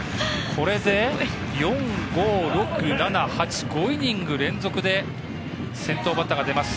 これで、４、５、６、７、８５イニング連続で先頭バッターが出ます。